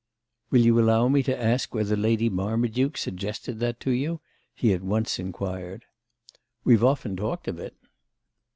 "Will you allow me to ask whether Lady Marmaduke suggested that to you?" he at once inquired. "We've often talked of it."